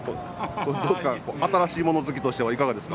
新しいもの好きとしては、いかがですか？